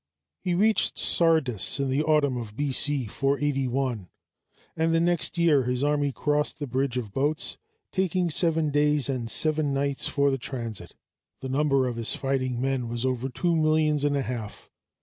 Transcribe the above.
He reached Sardis in the autumn of B.C. 481, and the next year his army crossed the bridge of boats, taking seven days and seven nights for the transit. The number of his fighting men was over two millions and a half.